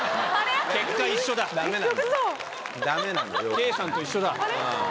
圭さんと一緒だ。